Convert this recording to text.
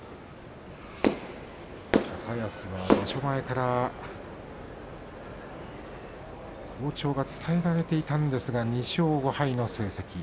高安は場所前から好調が伝えられていたんですが２勝５敗の成績。